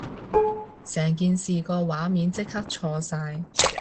成件事個畫面即刻錯晒